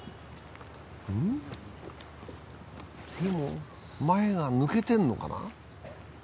でも前が抜けてるのかな。